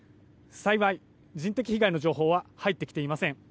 幸い、人的被害の情報は入ってきていません。